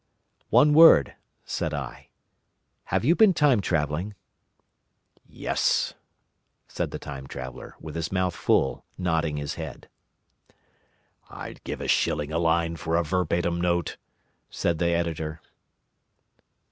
"One word," said I. "Have you been time travelling?" "Yes," said the Time Traveller, with his mouth full, nodding his head. "I'd give a shilling a line for a verbatim note," said the Editor.